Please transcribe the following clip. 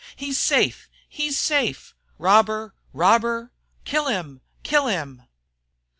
"He's safe! He's safe!" "Robber! Robber!" "Kill him! Kill him!"